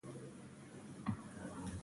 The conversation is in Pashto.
د معارف پیداوار دي.